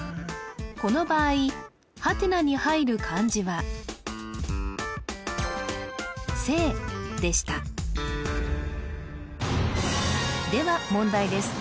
この場合ハテナに入る漢字は「生」でしたでは問題です